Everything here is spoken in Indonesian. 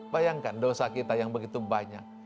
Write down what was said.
bayangkan dosa kita yang begitu banyak